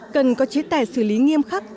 cần có chế tài xử lý nghiêm khắc